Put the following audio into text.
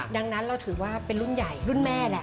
ดังนั้นเราถือว่าเป็นรุ่นใหญ่รุ่นแม่แหละ